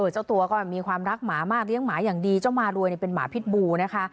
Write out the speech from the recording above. เจ้าตัวก็มีความรักหมามากเลี้ยงหมาอย่างดีเจ้าหมารวยเป็นหมาพิษบูนะคะ